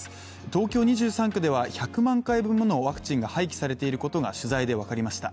東京２３区では、１００万回分ものワクチンが廃棄されていることが取材で分かりました。